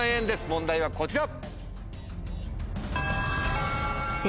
問題はこちら！